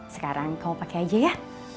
sekarang kamu pake aja ya